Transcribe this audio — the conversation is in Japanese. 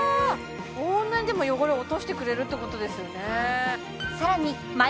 こんなにでも汚れを落としてくれるってことですよね